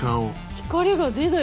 光が出てない！